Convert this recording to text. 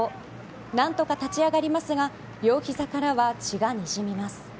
何とか立ち上がりますが両膝からは血がにじみます。